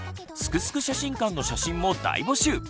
「すくすく写真館」の写真も大募集！